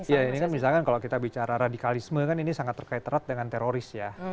ya ini kan misalkan kalau kita bicara radikalisme kan ini sangat terkait erat dengan teroris ya